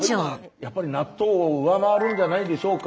やっぱり納豆を上回るんじゃないでしょうか。